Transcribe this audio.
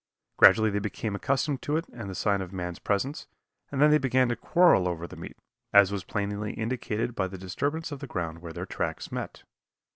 Gradually they became accustomed to it and the signs of man's presence, and then they began to quarrel over the meat, as was plainly indicated by the disturbance of the ground where their tracks met.